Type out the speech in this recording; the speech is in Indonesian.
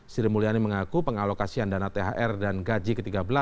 sri mulyani mengaku pengalokasian dana thr dan gaji ke tiga belas